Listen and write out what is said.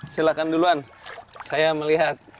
silahkan duluan saya melihat